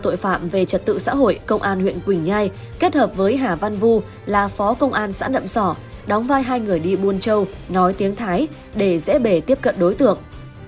tổ chức tự xã hội công an huyện quỳnh nhai kết hợp với hà văn vu là phó công an xã nậm sỏ đóng vai hai người đi buôn châu nói tiếng thái để dễ bề tiếp cận đối tượng